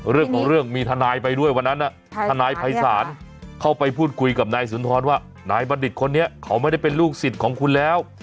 เรื่องของเรื่องมีทนายไปด้วยวันนั้นทนายภัยศาลเข้าไปพูดคุยกับนายสุนทรว่านายบัณฑิตคนนี้เขาไม่ได้เป็นลูกศิษย์ของคุณแล้ว